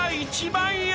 １万円。